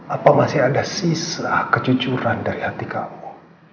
apa masih ada sisa kejujuran dari hati kamu